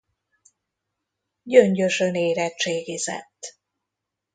Gyöngyösön érettségizett.